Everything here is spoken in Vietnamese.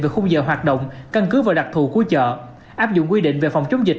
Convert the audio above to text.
về khung giờ hoạt động căn cứ và đặc thù của chợ áp dụng quy định về phòng chống dịch